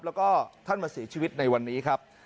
แล้วก็ท่านมาเสียชีวิตในวันนี้ครับ